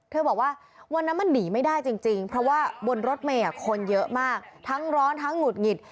บอกว่าวันนั้นมันหนีไม่ได้จริงเพราะว่าบนรถเมย์คนเยอะมากทั้งร้อนทั้งหงุดหงิด